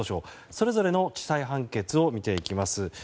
それぞれの地裁判決を見ていきます。